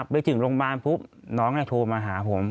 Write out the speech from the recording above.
ไปถึงโรงพยาบาลน้องฮ่าโทรมาหาผม